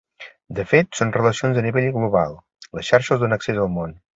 De fet, son relacions a nivell global, la xarxa els dona accés al mon.